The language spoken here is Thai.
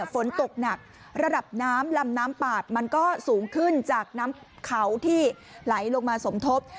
ฝนตกหนักระดับน้ำลำน้ำปาดมันก็สูงขึ้นจากน้ำเขาที่ไหลลงมาสมทบ